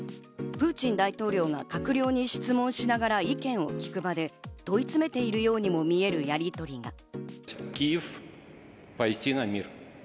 プーチン大統領が閣僚に質問しながら意見を聞く場で問い詰めているようにも見えるやりとりが。